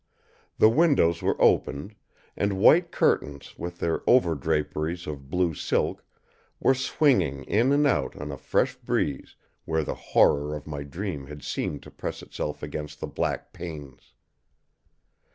The windows were opened, and white curtains with their over draperies of blue silk were swinging in and out on a fresh breeze where the Horror of my dream had seemed to press itself against the black panes.